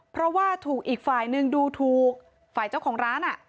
เพราะว่าถูกอีกฝ่ายนึงดูถูกฝ่ายเจ้าของร้าน